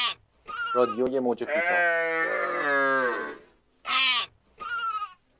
رادیوی موج کوتاه